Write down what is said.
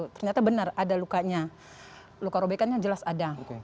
ternyata benar ada lukanya luka robekannya jelas ada